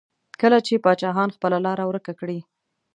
کله چې پاچاهان خپله لاره ورکه کړي.